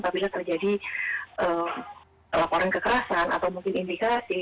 apabila terjadi laporan kekerasan atau mungkin indikasi